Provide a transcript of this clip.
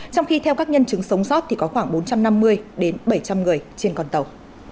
trong khi theo các nhân chứng sống sót thì có khoảng bốn trăm năm mươi đến bảy trăm linh người trên con tàu